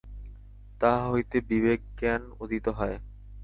তাহা হইতে বিবেকজ্ঞান উদিত হয়।